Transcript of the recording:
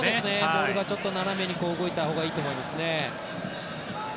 ボールが斜めに動いたほうがいいと思いますね。